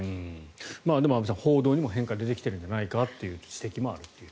でも、安部さん報道にも変化が出てきてるんじゃないかという指摘もあると。